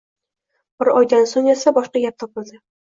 Bir oydan so‘ng esa boshqa gap topildi